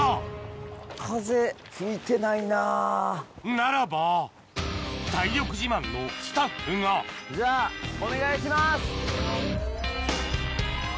ならば体力自慢のスタッフがじゃあお願いします！